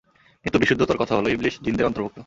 কিন্তু বিশুদ্ধতর কথা হলো, ইবলীস জিনদের অন্তর্ভুক্ত।